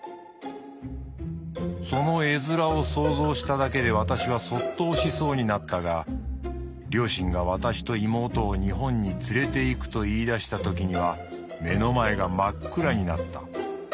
その絵面を想像しただけで私は卒倒しそうになったが両親が私と妹を日本に連れて行くと言い出したときには目の前が真っ暗になった。